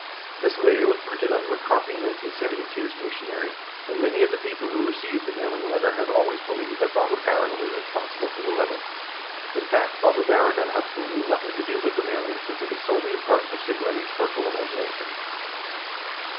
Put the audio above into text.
91 The letter was printed on "McCarthy 1972" stationery, and many of the people who received the mailing have al ways believed that Barbara Barron was responsible for the letter. In fact, Barbara Barron had absolutely nothing to do with the mailing since it was solely a product of Segretti's fertile imagination.